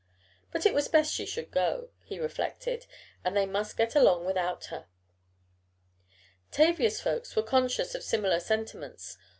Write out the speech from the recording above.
But it was best she should go, he reflected, and they must get along without her. Tavia's folks were conscious of similar sentiments.